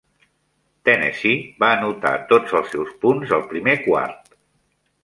Tennessee va anotar tots els seus punts al primer quart.